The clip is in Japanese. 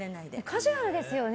カジュアルですよね。